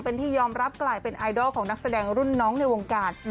เป็นที่ยอมรับกลายเป็นไอดอลของนักแสดงรุ่นน้องในวงการ